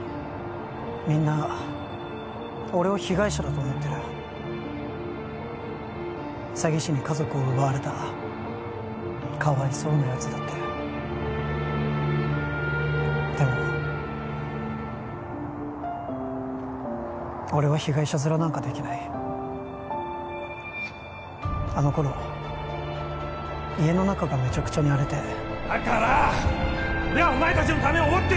みんな俺を被害者だと思ってる詐欺師に家族を奪われたかわいそうなやつだってでも俺は被害者ヅラなんかできないあの頃家の中がめちゃくちゃに荒れてだから！俺はお前達のためを思って